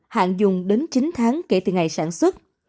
hạn dùng đến chín tháng kể từ ngày sản xuất